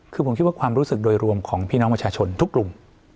คือผมคิดว่าความรู้สึกโดยรวมของพี่น้องประชาชนทุกกลุ่ม